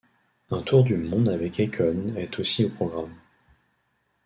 Un tour du monde avec Akon est aussi au programme.